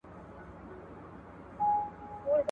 برج ئې تر اسمانه رسېږي، سپي ئې د لوږي مري.